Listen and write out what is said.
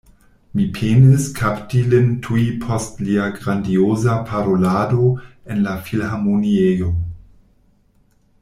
Mi penis kapti lin tuj post lia grandioza parolado en la Filharmoniejo.